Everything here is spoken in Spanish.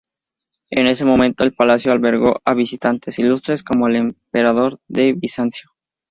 En ese momento el palacio albergó a visitantes ilustres, como el emperador de Bizancio.